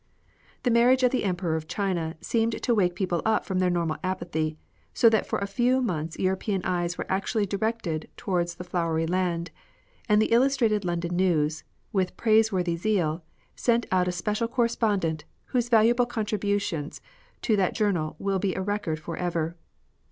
The marriage of the Emperor of China seemed to wake people up from their normal apathy, so that for a few months European eyes were actually directed towards the Flowery Land, and the Illustrated London News, with praiseworthy zeal, sent out a special cor respondent, whose valuable contributions to that journal will be a record for ever.